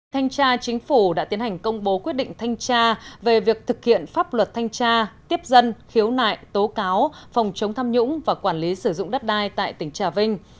thanh tra chính phủ đã tiến hành công bố quyết định thanh tra về việc thực hiện pháp luật thanh tra tiếp dân khiếu nại tố cáo phòng chống tham nhũng và quản lý sử dụng đất đai tại tỉnh trà vinh